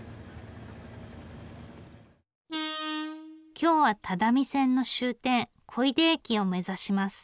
今日は只見線の終点小出駅を目指します。